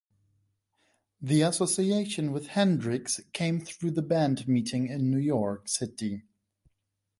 The association with Hendrix came through the band meeting him in New York City.